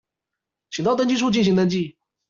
請到登記處進行登記